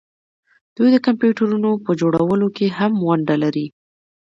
دوی د کمپیوټرونو په جوړولو کې هم ونډه لري.